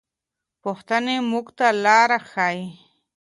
پوښتنې موږ ته لاره ښيي.